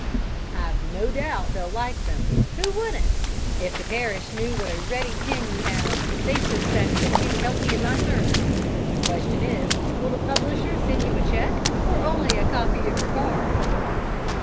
"I've no doubt they'll like them; who wouldn't? If the parish knew what a ready pen you have, they'd suspect that you help me in my sermons! The question is, will the publishers send you a check, or only a copy of your card?"